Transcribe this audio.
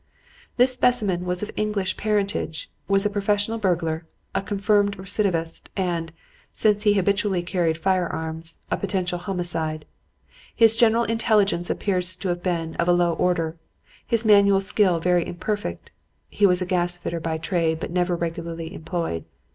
"This specimen was of English parentage, was a professional burglar, a confirmed recidivist, and since he habitually carried firearms a potential homicide. His general intelligence appears to have been of a low order, his manual skill very imperfect (he was a gas fitter by trade but never regularly employed).